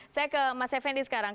saya ke mas effendi sekarang